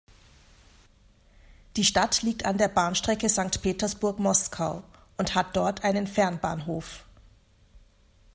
Die Stadt liegt an der Bahnstrecke Sankt Petersburg–Moskau und hat dort einen Fernbahnhof.